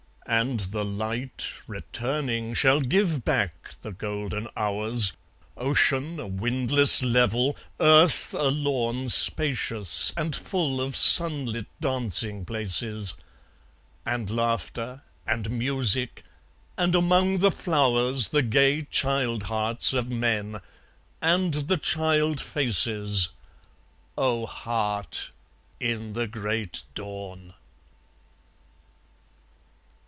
And the light, Returning, shall give back the golden hours, Ocean a windless level, Earth a lawn Spacious and full of sunlit dancing places, And laughter, and music, and, among the flowers, The gay child hearts of men, and the child faces O heart, in the great dawn!